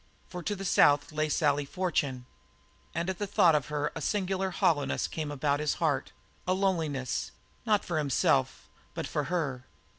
For to the south lay Sally Fortune, and at the thought of her a singular hollowness came about his heart, a loneliness, not for himself, but for her.